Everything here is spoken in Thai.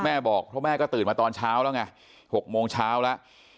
บอกเพราะแม่ก็ตื่นมาตอนเช้าแล้วไง๖โมงเช้าแล้ว